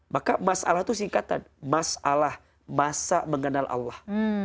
maka masalah itu singkatan masalah masa mengenal allah